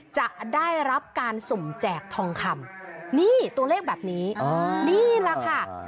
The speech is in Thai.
จะได้รับการสุ่มแจกทองคำนี่ตัวเลขแบบนี้นี่แหละค่ะ